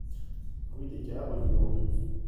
Rue des Gards au numéro douze